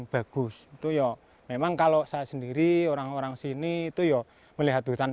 bagus itu ya memang kalau saya sendiri orang orang sini itu ya melihat hutan